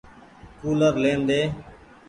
ڪولر لين ۮي۔